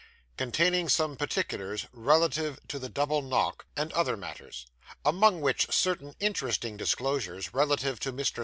CONTAINING SOME PARTICULARS RELATIVE TO THE DOUBLE KNOCK, AND OTHER MATTERS: AMONG WHICH CERTAIN INTERESTING DISCLOSURES RELATIVE TO MR.